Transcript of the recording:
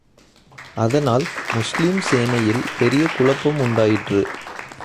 அதனால் முஸ்லிம் சேனையில் பெரிய குழப்பம் உண்டாயிற்று.